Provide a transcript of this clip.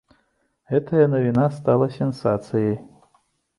Гэтая навіна стала сенсацыяй.